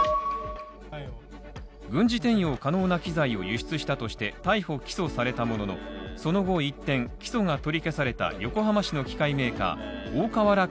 軍事転用可能な機材を輸出したとして逮捕起訴されたものの、その後一転起訴が取り消された横浜市の機械メーカー大川原化